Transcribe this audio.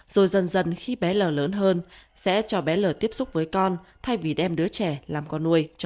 rồi dần dần khi bé l lớn hơn sẽ cho bé l tiếp xúc với con thay vì đem đứa trẻ làm con nuôi cho